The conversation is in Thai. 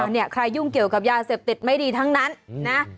เนี่ยใครยุ่งเกี่ยวกับยาเสพติดไม่ดีทั้งนั้นนะ